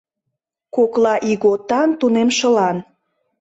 Кокла ийготан тунемшылан